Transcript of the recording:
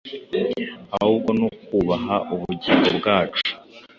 ahubwo no kubaha ubugingo bwacu,